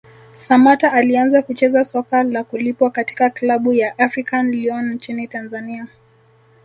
Samatta alianza kucheza soka la kulipwa katika klabu ya African Lyon nchini Tanzania